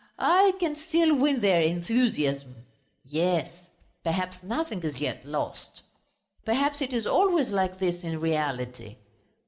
I can still win their enthusiasm! Yes! Perhaps nothing is yet lost.... Perhaps it is always like this in reality.